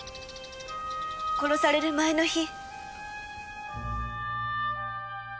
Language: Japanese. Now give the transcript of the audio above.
殺される前の日。